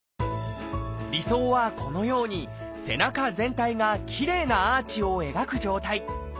理想はこのように背中全体がきれいなアーチを描く状態。